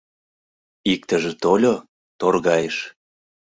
Иктыже тольо — торгайыш